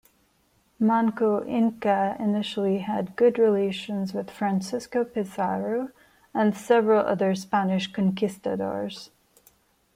Manco Inca initially had good relations with Francisco Pizarro and several other Spanish conquistadors.